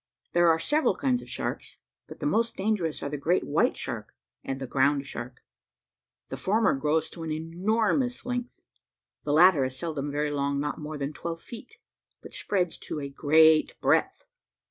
There are several kinds of sharks, but the most dangerous are the great white shark and the ground shark. The former grows to an enormous length the latter is seldom very long, not more than twelve feet, but spreads to a great breadth.